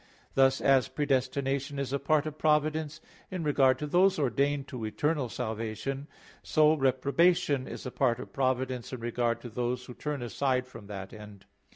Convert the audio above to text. Thus, as predestination is a part of providence, in regard to those ordained to eternal salvation, so reprobation is a part of providence in regard to those who turn aside from that end.